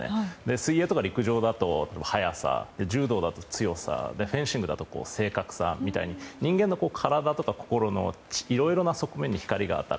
水泳とか陸上だと速さ柔道だと強さフェンシングだと正確さみたいに人間の体とか心のいろいろな側面に光が当たる。